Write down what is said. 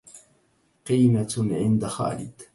قينة عند خالد